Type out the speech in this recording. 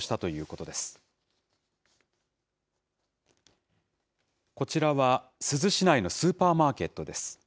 こちらは、珠洲市内のスーパーマーケットです。